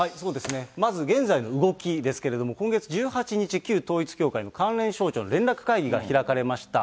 まず現在の動きですけれども、今月１８日、旧統一教会の関連省庁の連絡会議が開かれました。